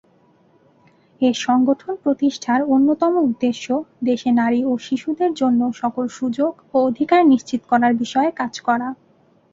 এ সংগঠন প্রতিষ্ঠার অন্যতম উদ্দেশ্য "দেশে নারী ও শিশুদের জন্য সকল সুযোগ ও অধিকার নিশ্চিত করার বিষয়ে কাজ করা"।